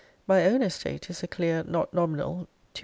'My own estate is a clear not nominnal 2000l.